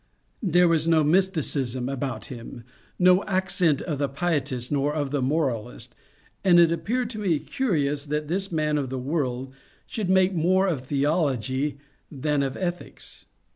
There was no mysticism about him, no accent of the pietist nor of the moralist, and it appeared to me curious that this man of the world should make more of theology than of ethics.